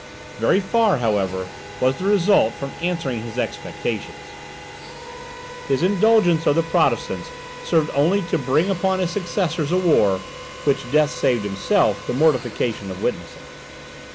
Very far, however, was the result from answering his expectations. His indulgence of the Protestants served only to bring upon his successors a war, which death saved himself the mortification of witnessing.